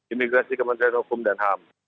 imigrasi kementerian hukum dan ham